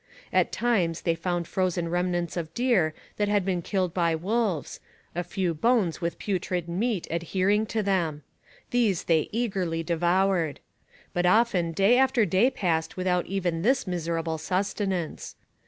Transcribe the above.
At times they found frozen remnants of deer that had been killed by wolves, a few bones with putrid meat adhering to them. These they eagerly devoured. But often day after day passed without even this miserable sustenance.